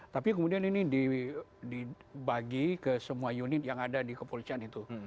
tapi kemudian ini dibagi ke semua unit yang ada di kepolisian itu